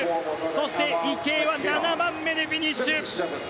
そして、池江は７番目でフィニッシュ。